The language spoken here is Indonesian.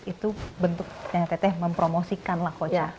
itu bentuk yang teteh mempromosikan lah ocha